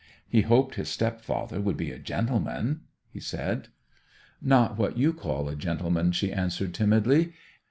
He hoped his stepfather would be a gentleman? he said. 'Not what you call a gentleman,' she answered timidly.